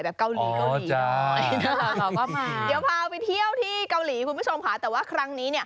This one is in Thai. กับเกาหลีด้วยเดี๋ยวพาไปเที่ยวที่เกาหลีคุณผู้ชมค่ะแต่ว่าครั้งนี้